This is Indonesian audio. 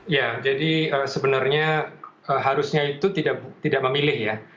ya jadi sebenarnya harusnya itu tidak memilih ya